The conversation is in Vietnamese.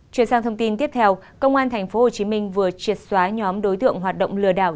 chuyển sang thông tin tiếp theo công an tp hcm vừa triệt xóa nhóm đối tượng hoạt động lừa đảo